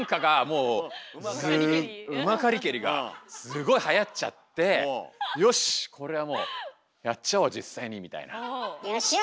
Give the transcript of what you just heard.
うまかりけりがすごいはやっちゃって「よし！これはもうやっちゃおう実際に」みたいな。よしお！